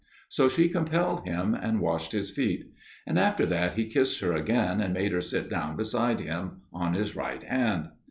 So she compelled him, and washed his feet. And after that he kissed her again, and made her sit down beside him, on his right hand.